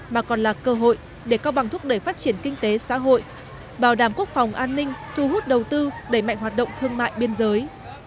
mà còn là cơ hội để cao bằng thúc đẩy phát triển kinh tế xã hội bảo đảm quốc phòng an ninh thu hút đầu tư đẩy mạnh hoạt động thương mại biên giới